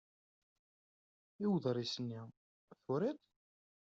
I uḍris-nni? Turiḍ-t?